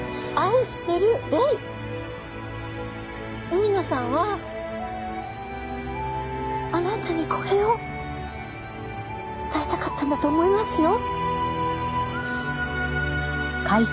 海野さんはあなたにこれを伝えたかったんだと思いますよ。